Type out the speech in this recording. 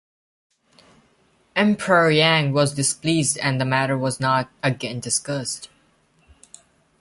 Emperor Yang was displeased, and the matter was not again discussed.